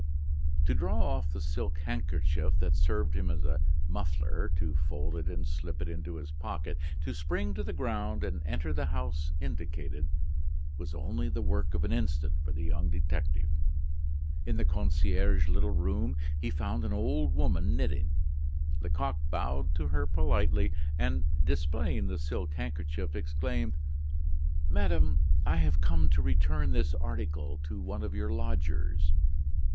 To draw off the silk handkerchief that served him as a muffler, to fold it and slip it into his pocket, to spring to the ground and enter the house indicated, was only the work of an instant for the young detective. In the concierge's little room he found an old woman knitting. Lecoq bowed to her politely, and, displaying the silk handkerchief, exclaimed: "Madame, I have come to return this article to one of your lodgers."